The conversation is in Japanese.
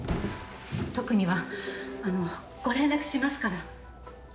特にはあのご連絡しますから。